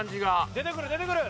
出てくる出てくる！